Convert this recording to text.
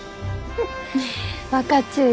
分かっちゅうよ。